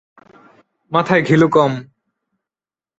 মাথায় ঘিলু কম।